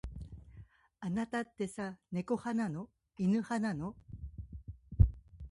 あなたってさ、猫派なの。犬派なの。